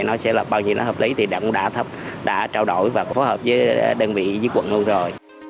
nó sẽ là bao gì nó hợp lý thì cũng đã trao đổi và phối hợp với đơn vị với quận luôn rồi